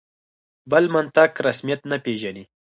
بل منطق رسمیت نه پېژني.